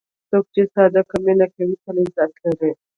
څوک چې صادق مینه کوي، تل عزت لري.